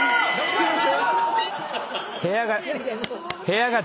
部屋が。